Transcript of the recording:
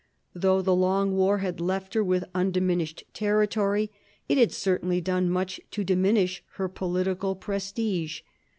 Though the long war had left her with undiminished territory, it had certainly done much to diminish her political prestige.